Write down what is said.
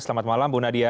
selamat malam ibu nadia